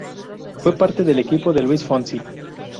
Fue parte del equipo de Luis Fonsi.